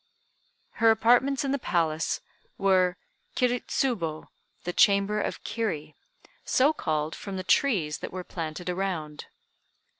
Her apartments in the palace were Kiri Tsubo (the chamber of Kiri); so called from the trees that were planted around.